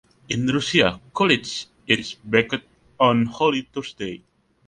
In Russia "kulich" is baked on Holy Thursday.